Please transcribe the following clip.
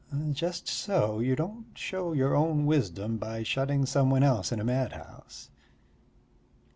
Just so: you don't show your own wisdom by shutting some one else in a madhouse.